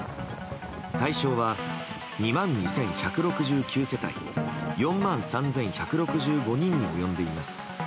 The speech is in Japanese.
対象は２万２１６９世帯４万３１６５人に及んでいます。